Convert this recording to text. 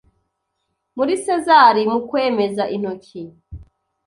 Muri Sezari mu kwemeza intoki